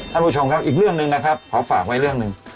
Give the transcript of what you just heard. ท่านผู้ชมครับอีกเรื่องหนึ่งนะครับขอฝากไว้เรื่องหนึ่ง